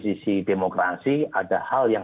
sisi demokrasi ada hal yang